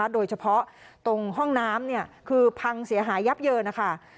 โดยเฉพาะตรงห้องน้ำคือพังเสียหายยับเยินนะคะ